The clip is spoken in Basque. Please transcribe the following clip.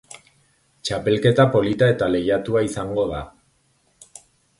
Txapelketa polita eta lehiatua izango da.